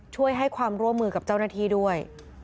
ให้ความร่วมมือกับเจ้าหน้าที่ด้วย